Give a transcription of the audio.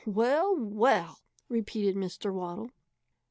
"Well, well!" repeated Mr. Waddle.